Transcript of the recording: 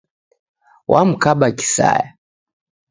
Wamkaba kisaya